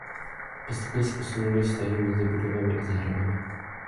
Postupně se posunuly vztahy mezi budovami a zahradami.